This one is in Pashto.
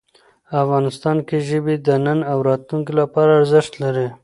افغانستان کې ژبې د نن او راتلونکي لپاره ارزښت لري.